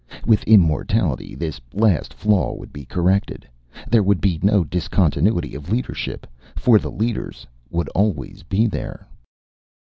With immortality, this last flaw would be corrected. There would be no discontinuity of leadership, for the leaders would always be there."